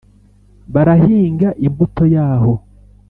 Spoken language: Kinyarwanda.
Barahinga imbuto yaho